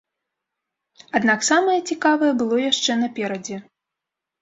Аднак самае цікавае было яшчэ наперадзе.